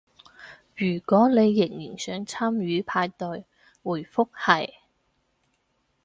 如果你仍然想參與派對，回覆係